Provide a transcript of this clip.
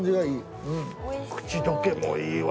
口溶けもいいわ